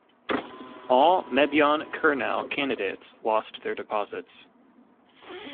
All Mebyon Kernow candidates lost their deposits.